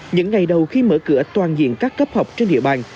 những ngày đầu khi mở cửa toàn diện các cấp học trên địa bàn